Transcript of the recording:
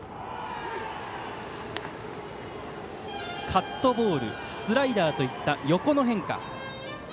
カットボールスライダーといった横の変化。